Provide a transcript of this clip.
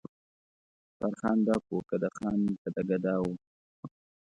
سترخان ډک و که د خان که د ګدا وو